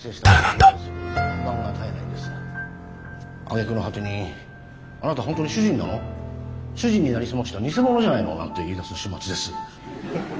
あげくの果てに「あなた本当に主人なの？主人になりすました偽者じゃないの？」なんて言いだす始末です。